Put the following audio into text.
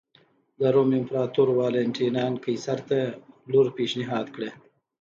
د روم امپراتور والنټیناین قیصر ته لور پېشنهاد کړه.